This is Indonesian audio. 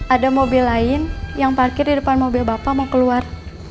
ada mobil lain yang parkir di depan mobil bapak mau keluar